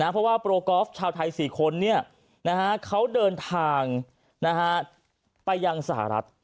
เพราะว่าโปรกอล์ฟชาวไทย๔คนเขาเดินทางไปยังสหรัฐ